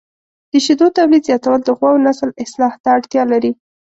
د شیدو تولید زیاتول د غواوو نسل اصلاح ته اړتیا لري.